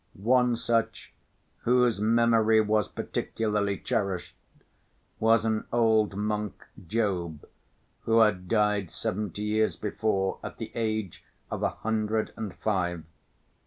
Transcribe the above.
One such, whose memory was particularly cherished, was an old monk, Job, who had died seventy years before at the age of a hundred and five.